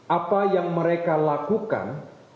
apa yang mereka lakukan